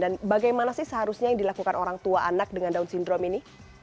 dan bagaimana sih seharusnya yang dilakukan orang tua anak dengan down syndrome ini